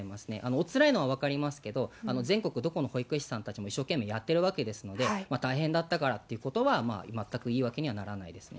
おつらいのは分かりますけど、全国どこの保育士さんたちも一生懸命やってるわけですので、大変だったからということは、全く言い訳にはならないですね。